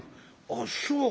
「あっそう。